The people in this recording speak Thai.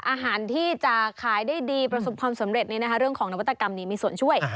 อาหารที่จะขายได้ดีประสบความสำเร็จเรื่องของนวัตกรรมนี้มีส่วนช่วย